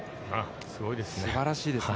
すごいですね。